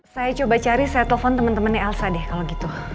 saya coba cari saya telepon teman temannya elsa deh kalau gitu